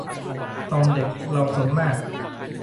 ตอนเด็กเราซนมาก